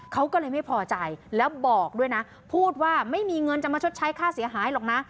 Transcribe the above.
เขาก็เลยไม่พอใจแล้วบอกด้วยนะพูดว่าไม่มีเงินจะมาชดใช้ค่าเสียหายหรอกนะ